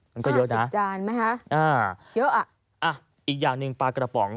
มันก็เยอะนะอ่ะอีกอย่างนึงปลากระป๋อง